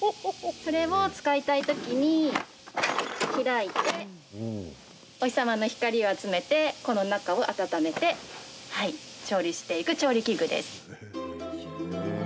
それを使いたいときに開いてお日様の光を集めてこの中を温めて調理していく調理器具です。